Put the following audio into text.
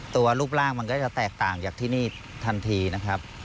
รูปร่างมันก็จะแตกต่างจากที่นี่ทันทีนะครับ